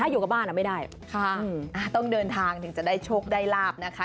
อยู่กับบ้านไม่ได้ต้องเดินทางถึงจะได้โชคได้ลาบนะคะ